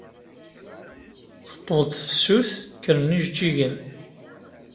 Tewweḍ-d tefsut, kkren ijeǧǧigen.